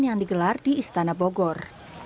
yang digelar di istana bogor